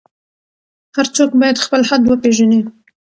هر څوک باید خپل حد وپیژني.